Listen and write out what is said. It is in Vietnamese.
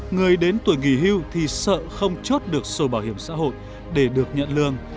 người đến tuổi nghỉ hưu thì sợ không chốt được số bảo hiểm xã hội để được nhận lương